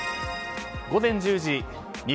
午前１０時。